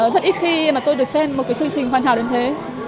rất ít khi mà tôi được xem một cái chương trình hoàn hảo đến thế